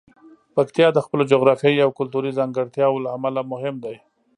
پکتیا د خپلو جغرافیايي او کلتوري ځانګړتیاوو له امله مهم دی.